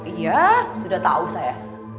iya sudah tau saya